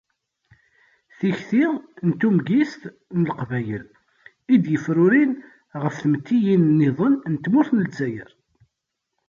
Tikti n tumgist n Leqbayel" i d-yufraren ɣef tmettiyin-nniḍen n tmurt n Lezzayer.